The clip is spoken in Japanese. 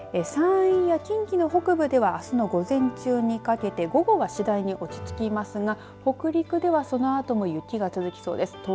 山陰や近畿の北部ではあすの午前中にかけて午後は次第に落ち着きますが北陸ではそのあとも雪が続きそうです。